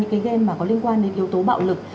cái game mà có liên quan đến yếu tố bạo lực